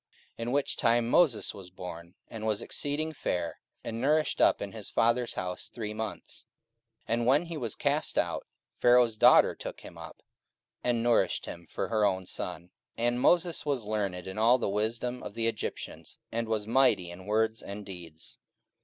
44:007:020 In which time Moses was born, and was exceeding fair, and nourished up in his father's house three months: 44:007:021 And when he was cast out, Pharaoh's daughter took him up, and nourished him for her own son. 44:007:022 And Moses was learned in all the wisdom of the Egyptians, and was mighty in words and in deeds.